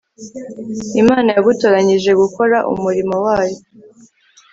Imana yagutoranyirije gukora umurimo wayo